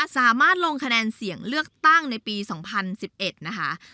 สามารถลงคะแนนเสียงเลือกตั้งในปี๒๐๑๑นะคะ